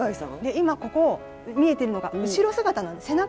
今ここ見えてるのが後ろ姿背中なんですよ。